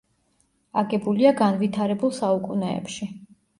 აგებულია განვითარებულ საუკუნეებში.